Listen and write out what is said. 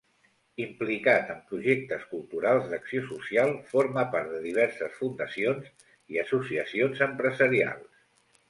Implicat en projectes culturals i d’acció social, forma part de diverses fundacions i associacions empresarials.